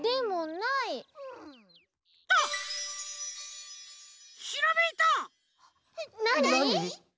なに？